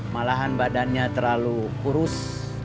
malahan badannya terlalu kurus